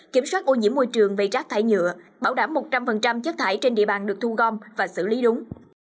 kiểm soát ô nhiễm môi trường về rác thải nhựa bảo đảm một trăm linh chất thải trên địa bàn được thu gom và xử lý đúng